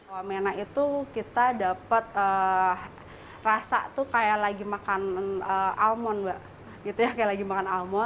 wamenna itu kita dapat rasa kayak lagi makan almon